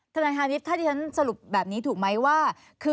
ถ้าที่ฉันสรุปแบบนี้ถูกไหมว่า